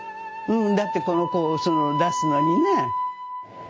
うんだってこの子をその出すのにね。